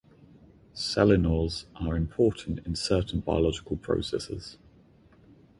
Selenols are important in certain biological processes.